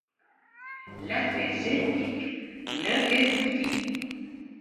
L'aspect celtique n'est que subtil.